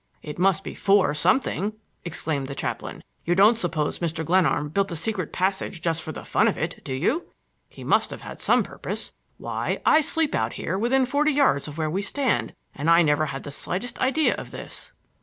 "It must be for something!" exclaimed the chaplain. "You don't suppose Mr. Glenarm built a secret passage just for the fun of it, do you? He must have had some purpose. Why, I sleep out here within forty yards of where we stand and I never had the slightest idea of this."